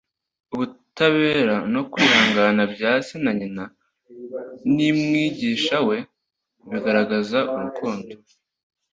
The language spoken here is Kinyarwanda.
ubutabera no kwihangana bya se na nyina n’umwigisha we bigaragariza urukundo,